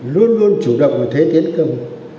luôn luôn chủ động vào thế tiến công